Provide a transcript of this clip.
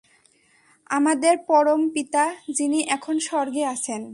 আমাদের পরম পিতা, যিনি এখন স্বর্গে আছেন!